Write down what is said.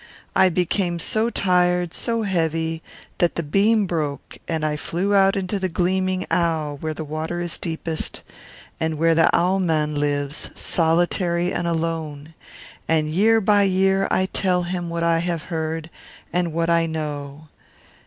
I became so tired, so heavy, that the beam broke, and I flew out into the gleaming Au, where the water is deepest, and where the Au mann lives, solitary and alone; and year by year I tell him what I have heard and what I know.